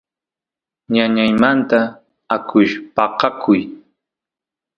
ñañaymanta akush paqakuy